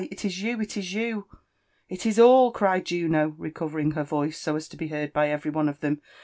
— It is you ! it is you 1" U is all/' pried Juno, recovering her vojce so as (o be hoard hy A¥ery one of thom